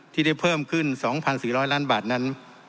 ที่ได้เพิ่มขึ้น๒๔๐๐ล้านบาทนั้น